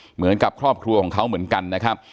เหมือนกับครอบครัวของเขาเหมือนกันนะครับ